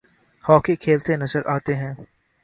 hockey کھیلتے نظر آتے ہیں